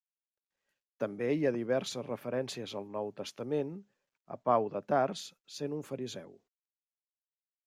També hi ha diverses referències al Nou Testament a Pau de Tars sent un fariseu.